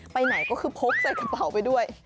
ไปไหนก็คือพกใส่กระเป๋าไปด้วย